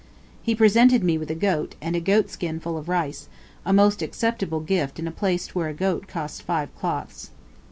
He presented me with a goat; and a goatskin full of rice; a most acceptable gift in a place where a goat costs five cloths.